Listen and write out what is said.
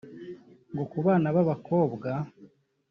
ku bana b’abakobwa